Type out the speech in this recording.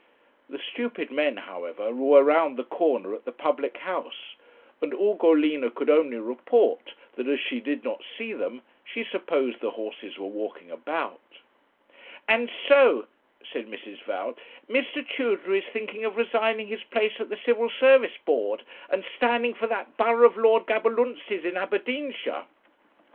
The stupid men, however, were round the corner at the public house, and Ugolina could only report that as she did not see them she supposed the horses were walking about. 'And so,' said Mrs. Val, 'Mr. Tudor is thinking of resigning his place at the Civil Service Board, and standing for that borough of Lord Gaberlunzie's, in Aberdeenshire?'